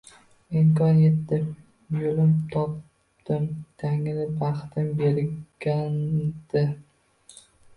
Imkon etdi yulim topdim Tangri baxtim berganda